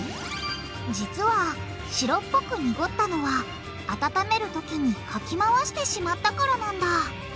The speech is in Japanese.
実は白っぽく濁ったのは温める時にかきまわしてしまったからなんだ。